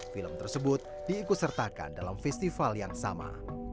film tersebut diikusertakan dalam festival yang sama